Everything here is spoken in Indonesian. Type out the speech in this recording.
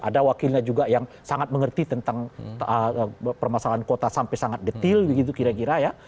ada wakilnya juga yang sangat mengerti tentang permasalahan kota sampai sangat detail begitu kira kira ya